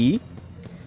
đêm chủ đề mộc